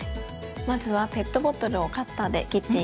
まずはペットボトルをカッターで切っていきます。